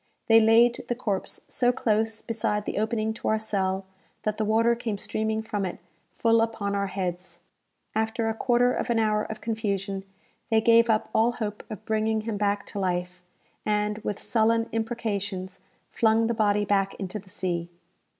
They laid the corpse so close beside the opening to our cell, that the water came streaming from it full upon our heads. After a quarter of an hour of confusion, they gave up all hope of bringing him back to life, and, with sullen imprecations, flung the body back into the sea.